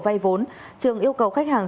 vay vốn trường yêu cầu khách hàng